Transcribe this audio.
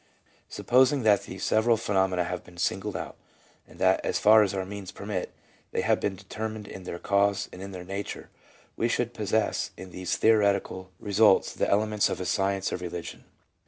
Supposing that these several phenomena have been singled out, and that, as far as our means permit, they have been determined in their cause and in their nature, we should possess in these theoretical results the elements of a science of religion.